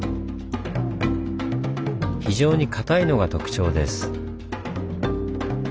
非常に硬いのが特徴です。